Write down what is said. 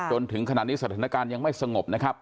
จนถึงขณะนี้สถานการณ์ยังไม่สงบนะครับ